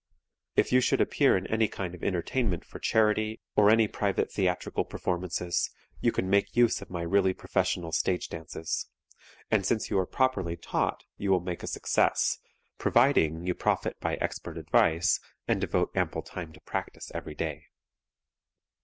If you should appear in any kind of entertainment for charity or any private theatrical performances, you can make use of my really professional stage dances; and since you are properly taught, you will make a success, providing you profit by expert advice and devote ample time to practice every day.